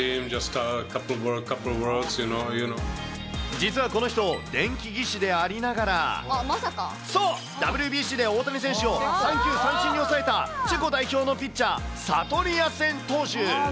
実はこの人、電気技師でありながら、そう、ＷＢＣで大谷選手を三球三振に抑えた、チェコ代表のピッチャー、サトリア投手。